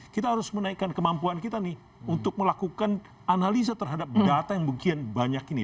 kita harus menaikkan kemampuan kita nih untuk melakukan analisa terhadap data yang begitu banyak ini